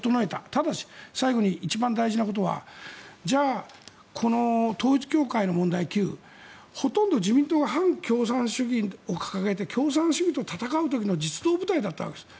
ただし、最後に一番大事なことはじゃあ、この旧統一教会の問題ほとんど自民党が反共産主義を掲げて共産主義と戦う時の実動部隊だったんです。